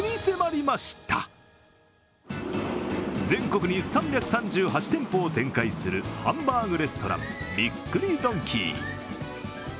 全国に３３８店舗を展開するハンバーグレストランびっくりドンキー。